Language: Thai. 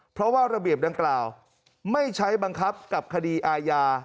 เพราะว่าระเบียบดังกล่าวไม่ใช้บังคับกับคดีอาญา